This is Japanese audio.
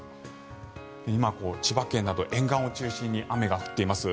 今、千葉県など沿岸を中心に雨が降っています。